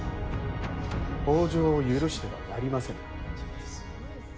北条を許してはなりませぬ。